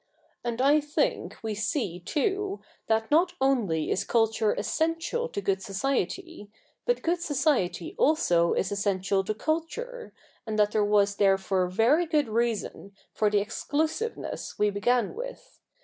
And I think we see, too, that not only is culture essential to good society, but good society also is essential to culture, and that there was therefore very good reason for the exclusiveness we began with.